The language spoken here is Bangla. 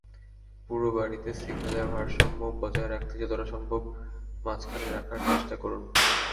পুরো বাড়িতে সিগন্যালের ভারসাম্য বজায় রাখতে যতটা সম্ভব মাঝখানে রাখার চেষ্টা করুন।